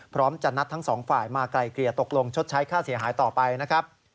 พร้อมจะนัดทั้งสองฝ่ายมาไกลเกลี่ยตกลงชดใช้ค่าเสียหายต่อไปนะครับ